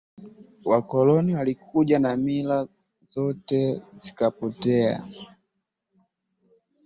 Wakoloni walikuja na mila zote zikapotea